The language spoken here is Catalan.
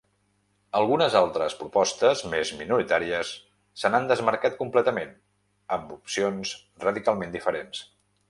Algunes altres propostes, més minoritàries, se n’han desmarcat completament, amb opcions radicalment diferents.